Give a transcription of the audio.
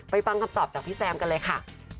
ฟังคำตอบจากพี่แซมกันเลยค่ะ